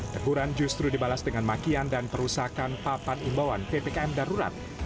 teguran justru dibalas dengan makian dan perusakan papan imbauan ppkm darurat